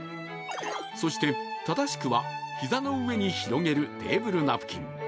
そして、正しくは膝の上に広げるテーブルナプキン。